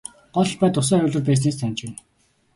Гол талбайд усан оргилуур байсныг л санаж байна.